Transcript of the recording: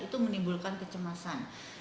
itu menimbulkan kecemasan